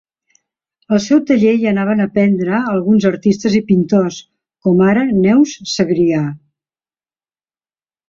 Al seu taller hi anaven a aprendre alguns artistes i pintors, com ara Neus Segrià.